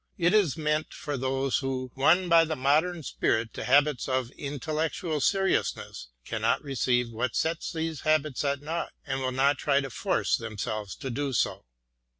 ... It is meant for those who, won by the modern spirit to habits of intellectual seriousness, cannot receive what sets these habits at nought, and will not try to force themselves to do so.